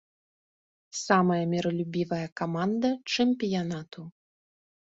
Самая міралюбівая каманда чэмпіянату.